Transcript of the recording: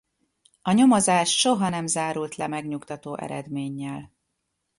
A nyomozás soha nem zárult le megnyugtató eredménnyel.